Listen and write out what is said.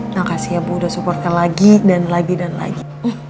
makasih ya bu udah support nya lagi dan lagi dan lagi